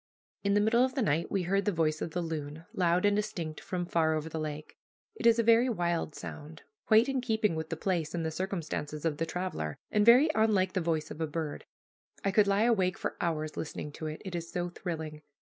In the middle of the night we heard the voice of the loon, loud and distinct, from far over the lake. It is a very wild sound, quite in keeping with the place and the circumstances of the traveler, and very unlike the voice of a bird. I could lie awake for hours listening to it, it is so thrilling.